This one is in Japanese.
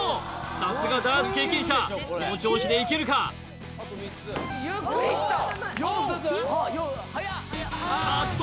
さすがダーツ経験者この調子でいけるかあっと